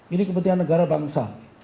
ini kepentingan negara bangsa